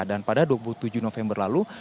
dan pada dua puluh tujuh november lalu